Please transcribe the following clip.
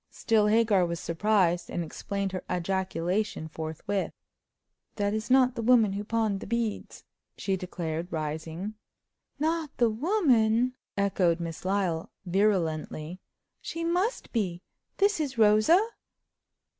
Still, Hagar was surprised, and explained her ejaculation forthwith. "That is not the woman who pawned the beads!" she declared, rising. "Not the woman?" echoed Miss Lyle, virulently. "She must be! This is Rosa!"